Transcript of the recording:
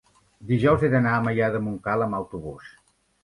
dijous he d'anar a Maià de Montcal amb autobús.